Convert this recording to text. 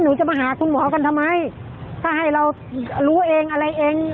หนูจะมาหาคุณหมอกันทำไมถ้าให้เรารู้เองอะไรเอง